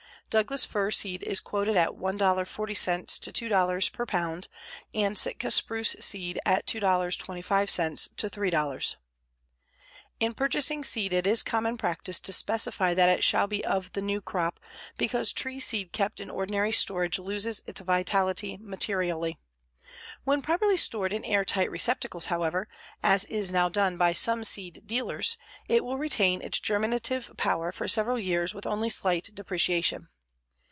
Douglas fir seed is quoted at $1.40 to $2.00 per pound and Sitka spruce seed at $2.25 to $3.00. In purchasing seed it is common practice to specify that it shall be of the new crop, because tree seed kept in ordinary storage loses its vitality materially. When properly stored in air tight receptacles, however, as is now done by some seed dealers, it will retain its germinative power for several years with only slight depreciation.